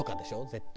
絶対。